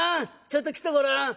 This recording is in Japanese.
ちょっと来てごらん。